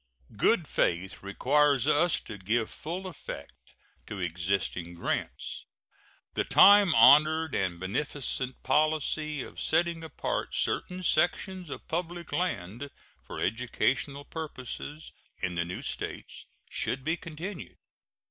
Good faith requires us to give full effect to existing grants. The time honored and beneficent policy of setting apart certain sections of public land for educational purposes in the new States should be continued.